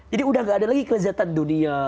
jadi udah gak ada lagi kelezatan dunia